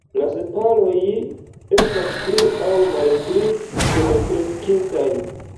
La sepaloj estas pli aŭ malpli kunkreskintaj.